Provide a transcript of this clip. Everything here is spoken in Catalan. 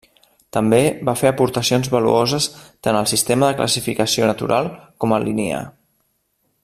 També va fer aportacions valuoses tant al sistema de classificació natural com al linneà.